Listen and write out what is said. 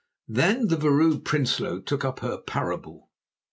Then the Vrouw Prinsloo took up her parable.